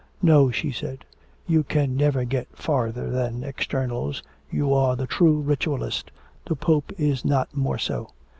'No,' she said, 'you can never get farther than externals, you are the true ritualist, the Pope is not more so.'